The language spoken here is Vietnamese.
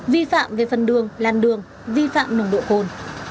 vi phạm về phần đường làn đường vi phạm nồng độ cồn